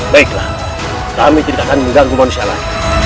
baiklah kami tidak akan mengganggu manusia lain